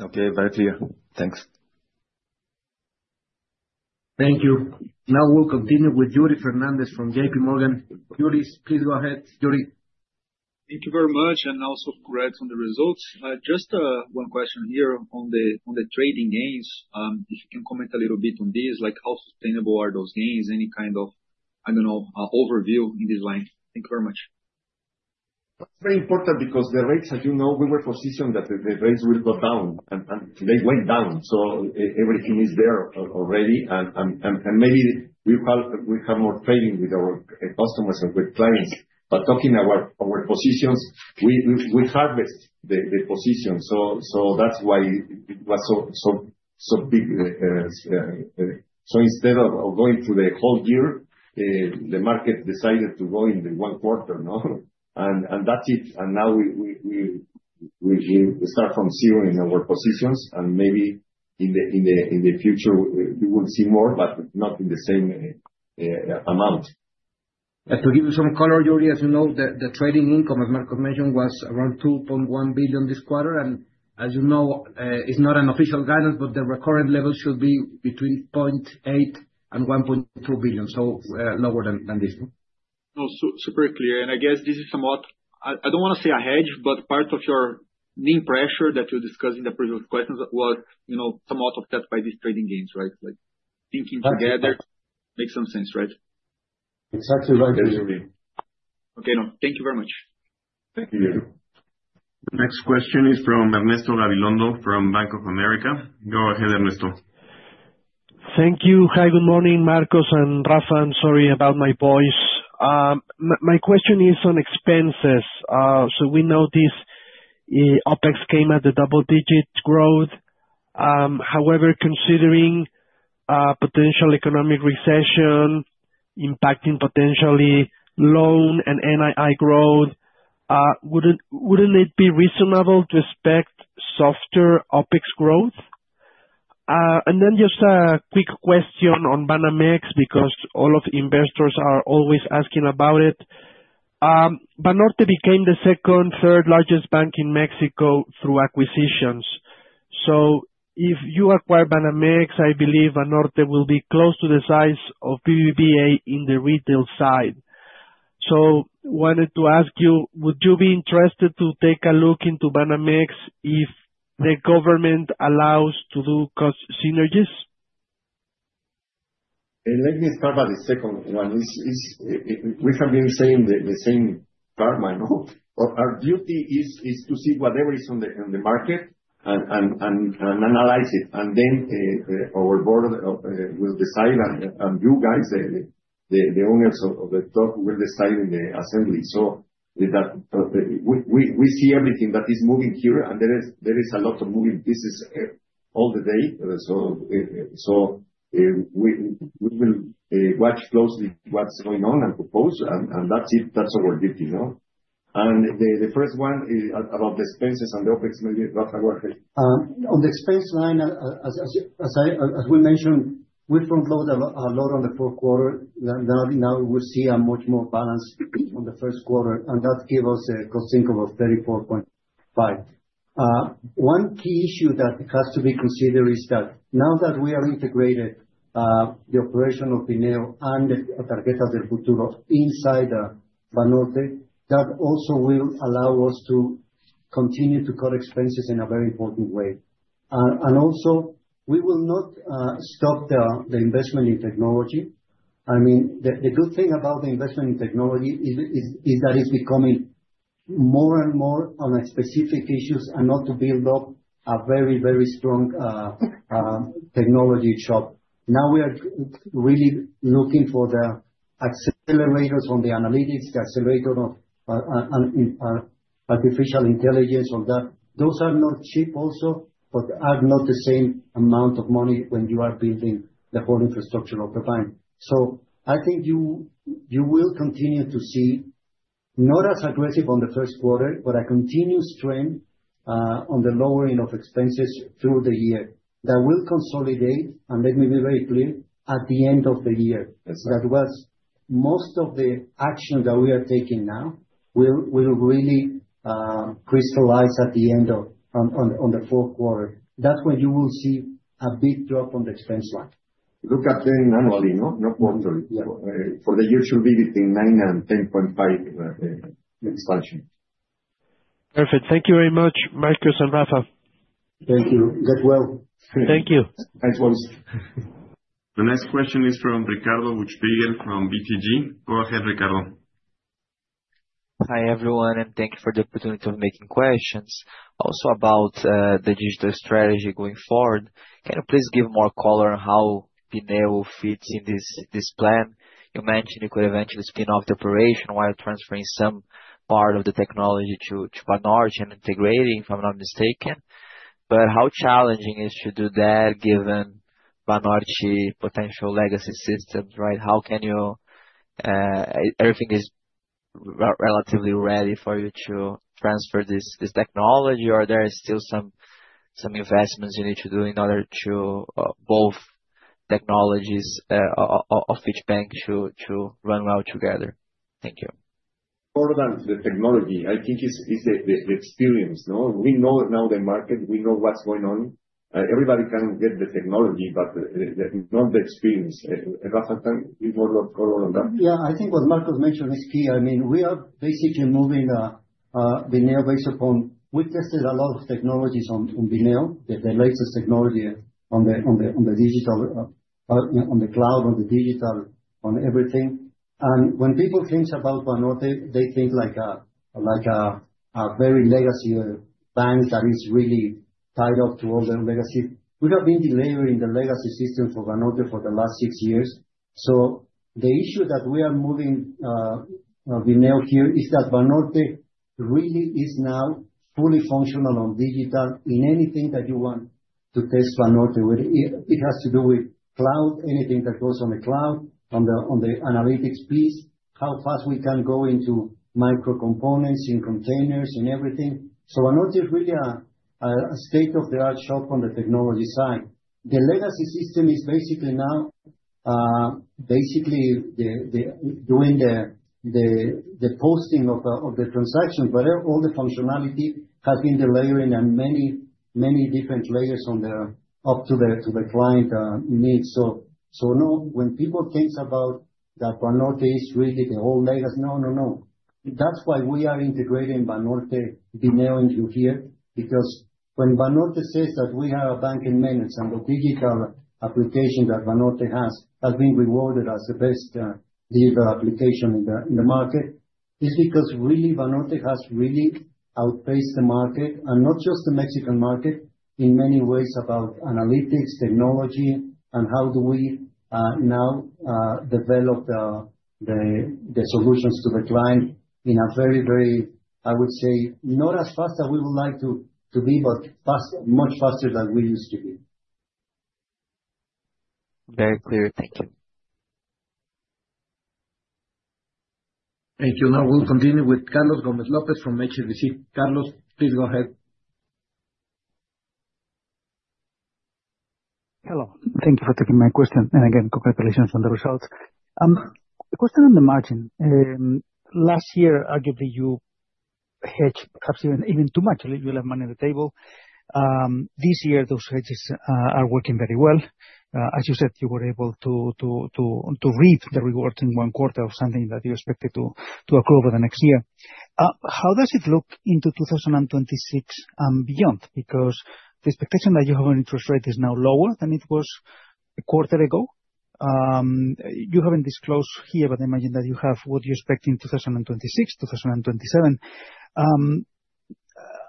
Okay, very clear. Thanks. Thank you. Now we'll continue with Yuri Fernandes from J.P. Morgan. Yuri, please go ahead. Yuri. Thank you very much. And also, congrats on the results. Just one question here on the, on the trading gains. If you can comment a little bit on these, like, how sustainable are those gains? Any kind of, I don't know, overview in this line. Thank you very much. It's very important because the rates, as you know, we were positioned that the rates will go down and they went down. Everything is there already. Maybe we have more trading with our customers and with clients. Talking about our positions, we harvest the position. That is why it was so big. Instead of going through the whole year, the market decided to go in the one quarter and that is it. Now we start from zero in our positions and maybe in the future we will see more, but not in the same amount. To give you some color, Yuri, you know, the trading income as Marcos mentioned, was around 2.1 billion this quarter. As you know, it's not an official guidance, but the recurrent level should be between 0.8 billion and 1.2 billion. So, lower than this one. Super clear. I guess this is somewhat, I do not want to say a hedge, but part of your main pressure that you discussed in the previous questions was somewhat of that by these trading games, right? Like thinking together makes some sense. Right? Exactly. Right, Yuri. Okay. Thank you very much. Thank you. The next question is from Ernesto Gabilondo from Bank of America.Go ahead, Ernesto. Thank you. Good morning, Marcos and Rafa. I'm sorry about my voice. My question is on expenses. We know this OpEx came at the double-digit growth. However, considering potential economic recession impacting potentially loan and NII growth, wouldn't it be reasonable to expect softer OpEx growth? Just a quick question on Banamex, because all of investors are always asking about it. Banorte became the second third largest bank in Mexico through acquisitions. If you acquire Banamex, I believe Banorte will be close to the size of BBVA in the retail side. I wanted to ask you, would you be interested to take a look into Banamex if the government allows to do cost synergies? Let me start by the second one. We have been saying the same karma, no. Our duty is to see whatever is on the market and analyze it and then our board will decide and you guys, the owners of the talk will decide in the assembly. We see everything that is moving here and there is a lot of moving pieces all the day. We will watch closely what's going on and propose and that's it, that's our duty. The first one is about the expenses and the OpEx, maybe Rafa, go ahead. On the expense line. As we mentioned, we front load a lot on the Q4. Now we'll see a much more balanced on the Q1 and that give us a cost income of 34.5%. One key issue that has to be considered is that now that we have integrated the operation of Bineo and the Tarjetas del Futuro inside Banorte, that also will allow us to continue to cut expenses in a very important way. Also we will not stop the investment in technology. I mean the good thing about the investment in technology is that it's becoming more and more on a specific issue and not to build up a very, very strong technology shop. Now we are really looking for the accelerators on the analytics, the accelerator of artificial intelligence. Those are not cheap also, but are not the same amount of money when you are building the whole infrastructure of the bank. I think you will continue to see not as aggressive on the Q1, but a continuous trend on the lowering of expenses through the year. That will consolidate and let me be very clear at the end of the year that most of the action that we are taking now will really crystallize at the end of the Q4. That is when you will see a big drop on the expense line. Look at them annually. No, not monthly. For the year should be between 9% and 10.5% expansion. Perfect. Thank you very much, Marcos and Rafa. Thank you. Get well. Thank you. Thanks as well. The next question is from Ricardo Buchpiguel from BTG. Go ahead, Ricardo. Hi everyone and thank you for the opportunity of making questions also about the digital strategy going forward. Can you please give more color on how Bineo fits in this plan? You mentioned you could eventually spin off the operation while transferring some part of the technology to Banorte and integrating if I'm not mistaken. Right. How challenging is it to do that given Banorte potential legacy systems. How can you. Everything is relatively ready for you to transfer this technology or there is still some investments you need to do in order for both technologies of each bank to run well together. Thank you. More than the technology, I think is the experience. We know now the market, we know what's going on. Everybody can get the technology, but not the experience. Rafa, can you more color on that? Yeah, I think what Marcos mentioned is key. I mean we are basically moving based upon. We tested a lot of technologies on Bineo, the latest technology on the digital, on the cloud, on the digital, on everything. And when people think about Banorte, they think like a very legacy bank that is really tied up to all their legacy. We have been delaying the legacy system for Banorte for the last six years. The issue that we are moving vignette here is that Banorte really is now fully functional on digital in anything that you want to test Banorte, it has to do with cloud. Anything that goes on the cloud. On the analytics piece, how fast we can go into micro components in containers and everything. Banorte is really a state-of-the-art shop on the technology side. The legacy system is basically now basically doing the posting of the transaction. All the functionality has been the layering and many different layers up to the client needs. No, when people think about that, Banorte is really the whole legacy. No, no, no. That's why we are integrating Banorte, Bineo in here because when Banorte says that we have a bank in maintenance application that Banorte has, has been rewarded as the best delivery application in the market, it is because really Banorte has really outpaced the market and not just the Mexican market in many ways about analytics technology and how do we now develop the solutions to the client in a very, very, I would say not as fast as we would like to be, but fast, much faster than we used to be. Very clear. Thank you. Thank you. Now we'll continue with Carlos Gomez-Lopez from HSBC. Carlos, please go ahead. Hello. Thank you for taking my question and again, congratulations on the results. The question on the margin last year I gave you hedge, perhaps even too much. You'll have money on the table this year. Those hedges are working very well. As you said, you were able to reap the rewards in one quarter of something that you expected to accrue over the next year. How does it look into 2026 and beyond? Because the expectation that you have an interest rate is now lower than it was a quarter ago. You have not disclosed here, but I imagine that you have what you expect in 2026, 2027.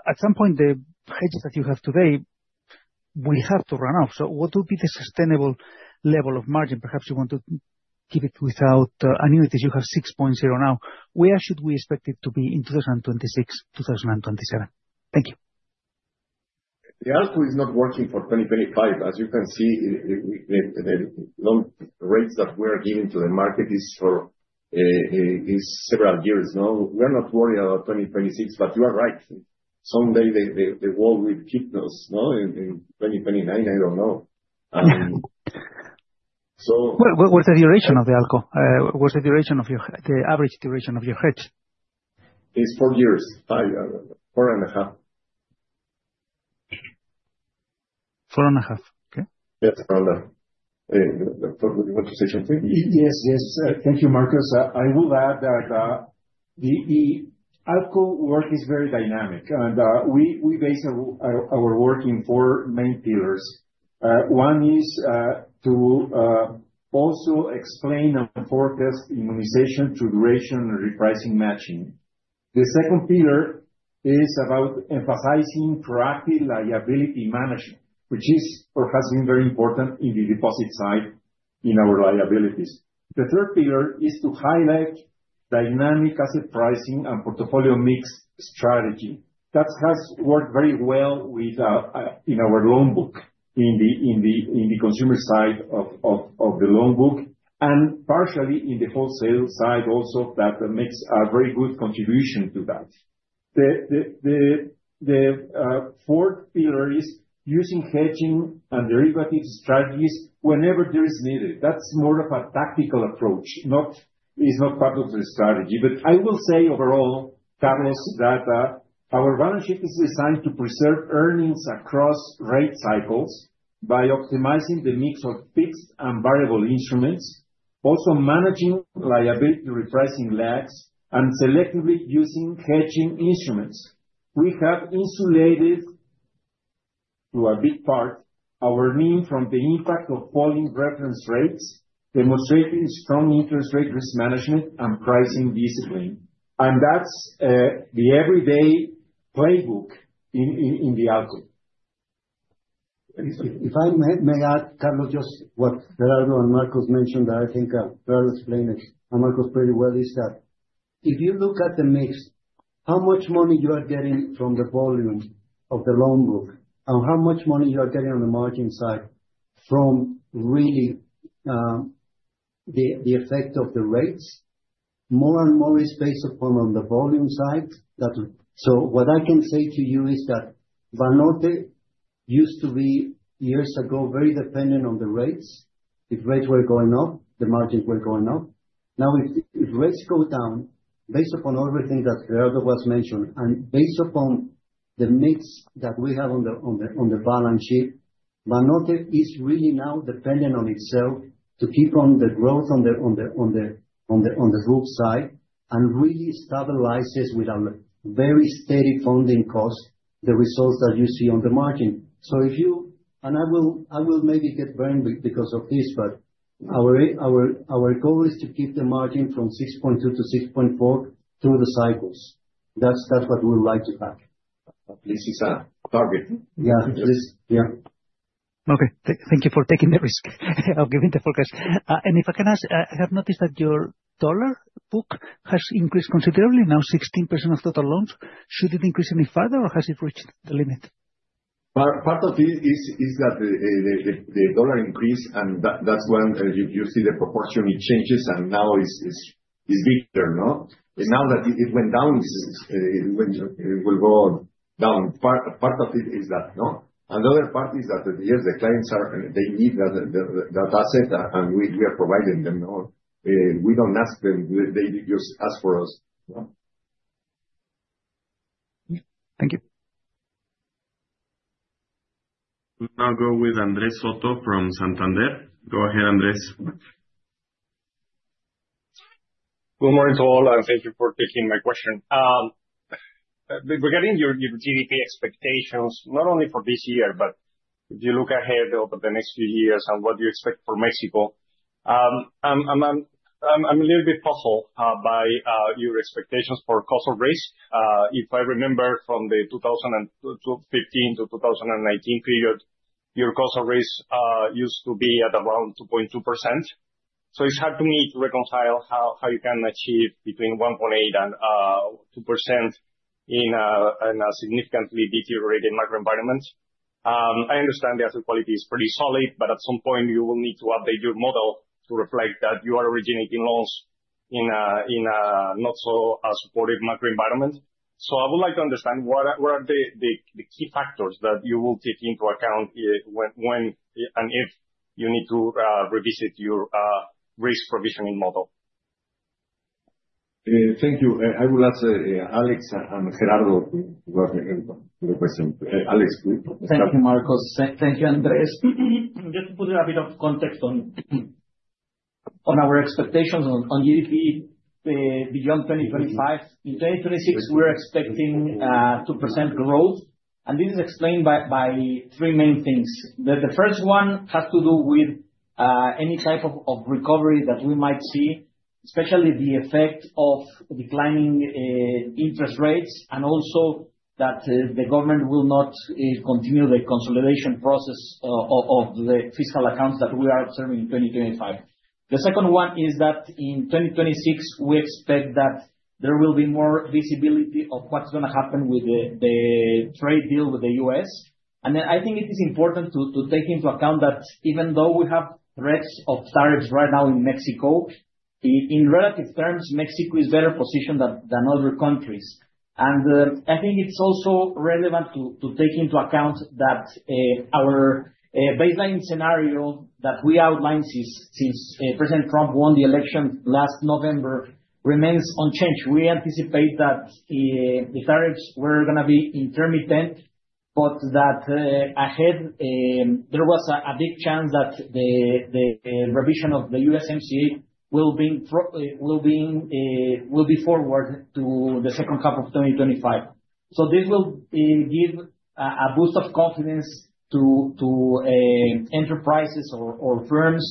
At some point the hedges that you have today will have to run out. What would be the sustainable level of margin? Perhaps you want to keep it without annuities. You have 6.0 now. Where should we expect it to be in 2026, 2027? Thank you. The ALCO is not working for 2025. As you can see, the loan rates that we are giving to the market is so is several years. No, we're not worried about 2026. You are right, someday the world will kick us. No, in 2029, I don't know. What was the duration of the ALCO? What's the duration of your—the average duration of your hedge? It's four years. Four and a half. Four and a half. Okay. Yes. You want to say something? Yes. Yes. Thank you, Marcos. I will add that the ALCO work is very dynamic and we base our work in four main pillars. One is to also explain and forecast immunization through duration and repricing matching. The second pillar is about emphasizing proactive liability management, which is or has been very important in the deposit side in our liabilities. The third pillar is to highlight dynamic asset pricing and portfolio mix strategy. That has worked very well in our loan book, in the consumer side of the loan book and partially in the wholesale side also. That makes a very good contribution to that. The fourth pillar is using hedging and derivative strategies whenever there is needed. That is more of a tactical approach. It's not part of the strategy. But I will say overall, Carlos, that our balance sheet is designed to preserve earnings across rate cycles by optimizing the mix of fixed and variable instruments, also managing liability, repricing lags, and selectively using hedging instruments. We have insulated to a big part our NIM from the impact of falling reference rates, demonstrating strong interest rate risk management and pricing discipline. And that is the everyday playbook in the ALCO. If I may add, Carlos, just what Gerardo and Marcos mentioned that I think explain it pretty well is that if you look at the mix, how much money you are getting from the volume of the loan book and how much money you are getting on the margin side from really the effect of the rates, more and more is based upon on the volume side. What I can say to you is that Banorte used to be years ago very dependent on the rates. If rates were going up, the margins were going up. Now if rates go down, based upon everything that Gerardo was mentioning and based upon the mix that we have on the balance sheet, Banorte is really now dependent on itself to keep on the growth on the group side and really stabilizes with a very steady funding cost, the results that you see on the market. If you and I will, I will maybe get burned because of this. Our goal is to keep the margin from 6.2% to 6.4% through the cycles. That is what we would like to have. This is a target. Yeah. Yeah. Okay. Thank you for taking the risk of giving the forecast. If I can ask, I have noticed that your dollar book has increased considerably, now 16% of total loans. Should it increase any further or has it reached the limit? Part of it is that the dollar increase and that is when you see the proportion, it changes. Now it is bigger. Now that it went down, it will go down. Part of it is that no. Another part is that yes, the clients are. They need that asset and we are providing them. We do not ask them, they just ask for us. Yeah. Thank you. Now go with Andres Soto from Santander. Go ahead, Andres. Good morning to all and thank you for taking my question regarding your GDP expectations not only for this year, but if you look ahead over the next few years and what do you expect for Mexico? I'm a little bit puzzled by your expectations for cost of risk. If I remember from the 2015 to 2019 period, your cost of risk used to be at around 2.2%. So, it's hard to me to reconcile how you can achieve between 1.8% to 2% in a significantly deteriorating microenvironment. I understand the asset quality is pretty solid, but at some point you will need to update your model to reflect that you are originating loans in a not so supportive macro environment. I would like to understand what are the key factors that you will take into account when and if you need to revisit your risk provisioning model? Thank you. I will ask Alex and Gerardo. Alex? Thank you, Marcos. Thank you, Andres. Just to put a bit of context on our expectations on GDP beyond 2025. In 2026 we're expecting 2% growth and this is explained by three main things. The first one has to do with any type of recovery that we might see, especially the effect of declining interest rates. And also, the government will not continue the consolidation process of the fiscal accounts that we are observing in 2025. The second one is that in 2026 we expect that there will be more visibility of what's going to happen with the trade deal with the U.S. I think it is important to take into account that even though we have threats of tariffs right now in Mexico, in relative terms, Mexico is better positioned than other countries. I think it's also relevant to take into account that our baseline scenario that we outlined since President Trump won the elections last November remains unchanged. We anticipate that the tariffs were going to be intermittent, but that ahead there was a big chance that the revision of the USMCA will be forward to the second half of 2025. This will give a boost of confidence to enterprises or firms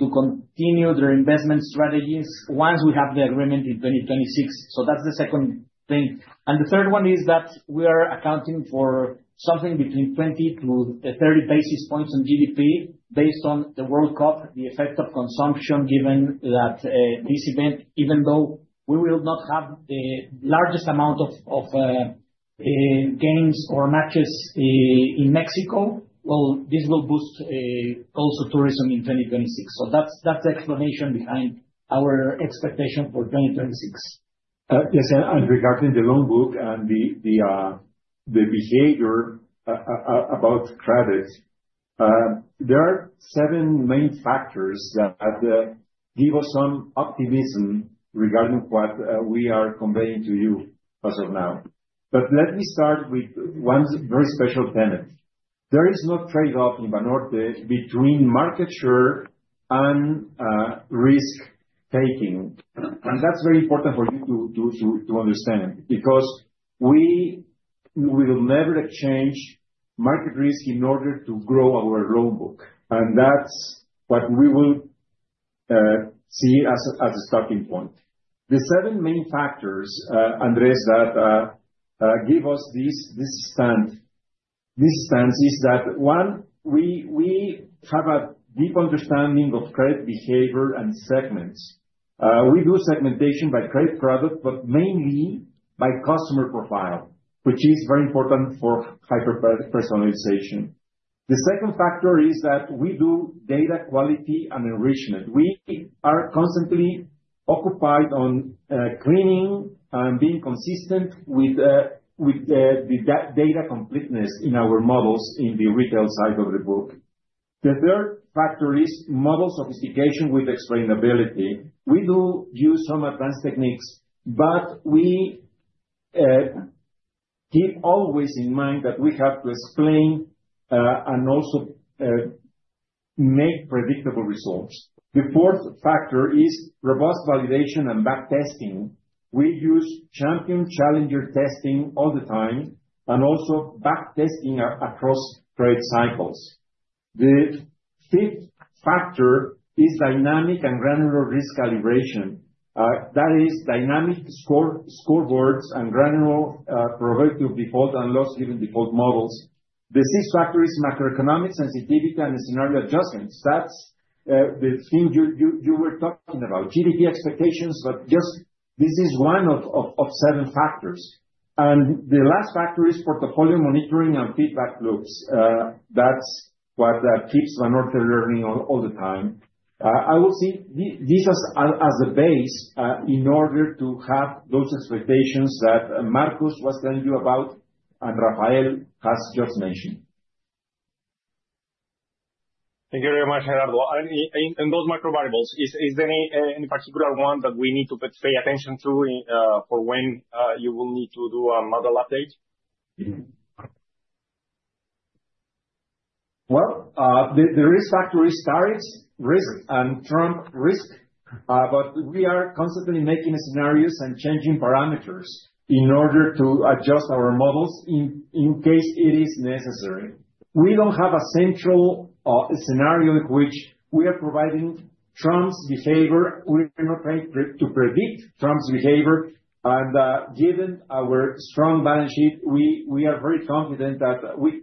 to continue their investment strategies once we have the agreement in 2026. That's the second thing. The third one is that we are accounting for something between 20 to 30 basis points in GDP based on the World Cup. The effect of consumption, given that this event, even though we will not have the largest amount of games or matches in Mexico, this will boost also tourism in 2026. That is the explanation behind our expectation for 2026. Yes. Regarding the loan book and the behavior about credits, there are seven main factors that give us some optimism regarding. What we are conveying to you as of now. Let me start with one very special tenant. There is no trade off in Banorte between market share and risk taking. That is very important for you too. Understand because we will never exchange market risk in order to grow our loan book. That is what we will see as a starting point. The seven main factors, Andres, that give us this stance. This stance is that, one, we have a deep understanding of credit behavior and segments. We do segmentation by credit product but mainly by customer profile, which is very important for hyper personalization. The second factor is that we do data quality and enrichment. We are constantly occupied on cleaning and being consistent with data completeness in our models in the retail side of the book. The third factor is model sophistication with explainability. We do use some advanced techniques, but we keep always in mind that we have to explain and also make predictable results. The fourth factor is robust validation and back testing. We use champion challenger testing all the time and also back testing across credit cycles. The fifth factor is dynamic and granular risk calibration. That is dynamic scoreboards and granular probability of default and loss given default models. The sixth factor is macroeconomic sensitivity and scenario adjustments. That is the thing you were talking about, GDP expectations, but just this is one of seven factors. The last factor is portfolio monitoring and feedback loops. That is what keeps Banorte learning all the time. I will see this as a base in order to have those expectations that Marcos was telling you about and Rafael has just mentioned. Thank you very much, Gerardo. Those micro variables, is there any particular one that we need to pay attention to for when you will need to do a model update? The risk factor is tariffs risk and Trump risk. But we are constantly making scenarios and changing parameters in order to adjust our models in case it is necessary. We do not have a central scenario in which we are providing Trump's behavior. We are not trying to predict Trump's behavior. Given our strong balance sheet, we are very confident that we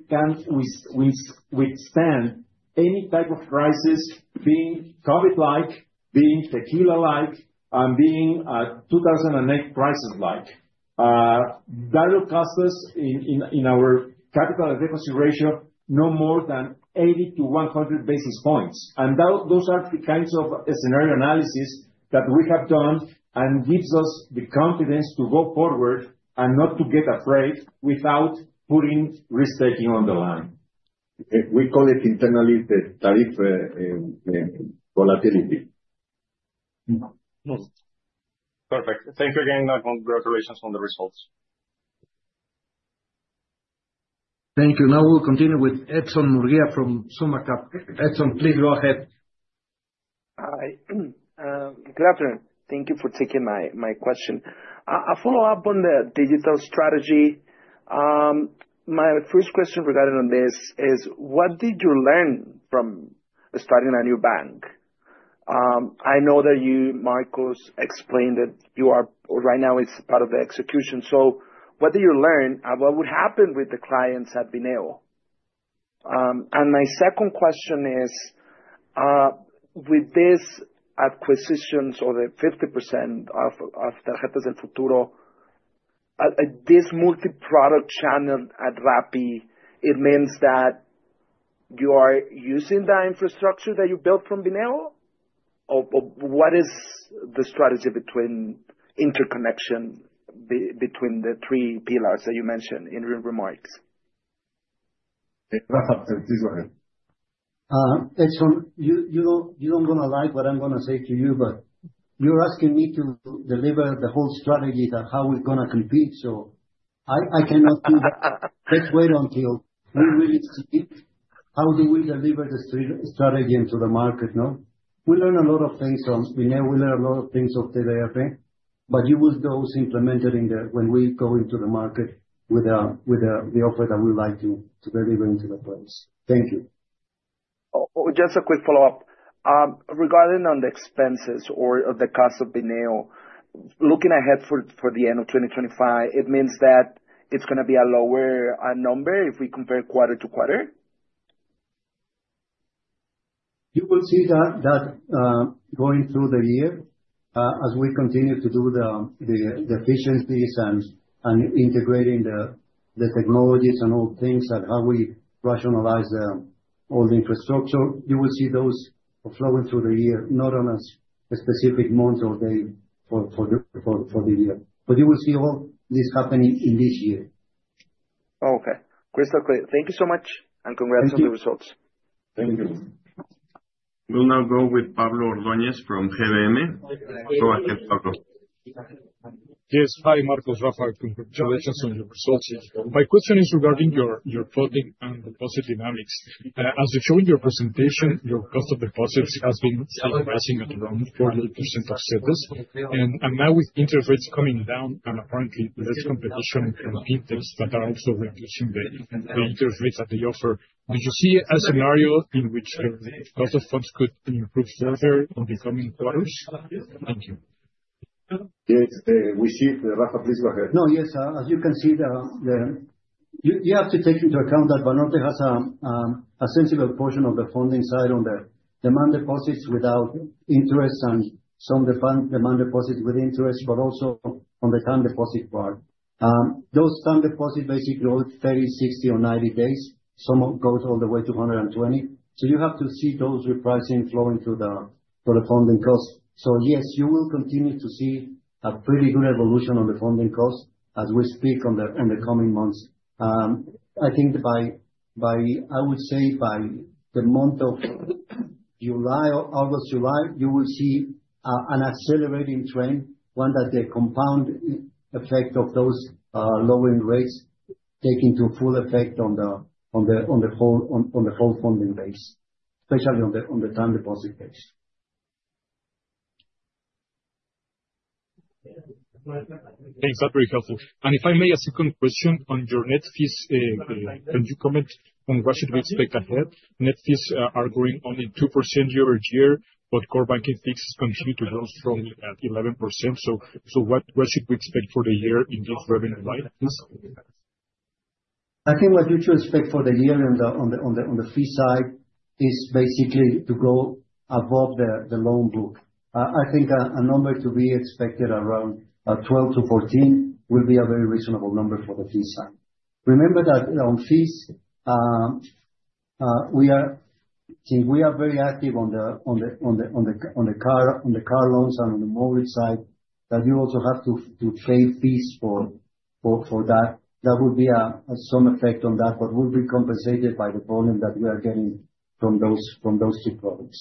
still withstand any type of crisis, being COVID-like, being Tequila-like, and being 2008 crisis-like. That will cost us in our capital deficit ratio no more than 80 to 100 basis points. Those are the kinds of scenario analysis that we have done and gives us the confidence to go forward and not to get afraid without putting risk taking on the line. We call it internally the tariff volatility. Perfect. Thank you again and congratulations on the results. Thank you. Now we'll continue with Edson Murguia from SummaCap. Edson, please go ahead. Hi, good afternoon. Thank you for taking my question. I'll follow up on the digital strategy. My first question regarding on this is what did you learn from starting a new bank? I know that you, Marcos, explained that you are right now it's part of the execution. So, what do you learn? What would happen with the clients at Bineo? And my second question is with this acquisitions or the 50% of Tarjetas del Futuro, this multiproduct channel at Rappi, it means that you are using the infrastructure that you built from Bineo? What is the strategy between interconnection between the three pillars that you mentioned in your remarks? Rafa, please go ahead. You are not going to like what I'm gonna say to you, but you're asking me to deliver the whole strategy that how we're gonna compete. I cannot do that. Let's wait until we really see how we deliver the strategy into the market. We learn a lot of things from, we learn a lot of things. But you will see those implemented in there when we go into the market with the offer that we would like to deliver into the place. Thank you. Just a quick follow up regarding on the expenses or the cost of Bineo looking ahead for the end of 2025, it means that it's going to be a lower number if we compare quarter-to-quarter? You will see that going through the year, as we continue to do the efficiencies and integrating the technologies and all things and how we rationalize all the infrastructure, you will see those flowing through the year, not on a specific month or day for the year, but you will see all this happening in this year. Okay, crystal clear. Thank you so much and congrats on the results. Thank you. We'll now go with Pablo Ordóñez from GBM. Yes. Hi, Marcos, Rafael, congratulations on your results. My question is regarding your floating and deposit dynamics. As you show in your presentation, your cost of deposits has been rising at around 48% of CETES. Now with interest rates coming down and apparently less competition from interest, but are also reducing the interest rates that they offer, do you see a scenario in which the cost of funds could be improved further in the coming quarters? Thank you. Yes. Rafa, please go ahead. No, yes. As you can see, you have to take into account that Banorte has a sensible portion of the funding side on the demand deposits without interest and some demand deposits with interest. Also, on the time deposit part, those time deposits basically all 30, 60 or 90 days, some go all the way to 120. You have to see those repricing flowing through for the funding costs. Yes, you will continue to see a pretty good evolution on the funding costs as we speak in the coming months. I think I would say by the month of July or August you will see an accelerating trend once the compound effect of those lowering rates takes into full effect on the whole funding base especially on the time deposit page. Thanks, that's very helpful. If I may, a second question on your net fees. Can you comment on what should we expect ahead? Net fees are growing only 2% year-over-year, but core banking fees continue to grow strongly at 11%. What should we expect for the—ear in this revenue? I think what you should expect for the year on the fee side is basically to go above the loan book. I think a number to be expected around 12-14 will be a very reasonable number for the fee side. Remember that on fees we are very active on the car loans and on the mortgage side that you also have to pay fees for that. That would be some effect on that but will be compensated by the volume that we are getting from those two products.